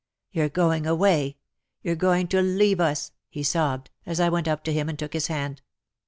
''You're going away — you're going to leave us," he sobbed, as I went up to him and took his hand.